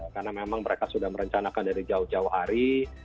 karena memang mereka sudah merencanakan dari jauh jauh hari